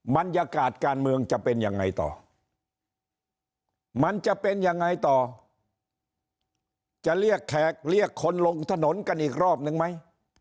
บรรยากาศการเมืองจะเป็นยังไงต่อมันจะเป็นยังไงต่อจะเรียกแขกเรียกคนลงถนนกันอีกรอบนึงไหม